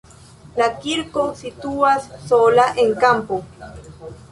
La kirko situas sola en kampo.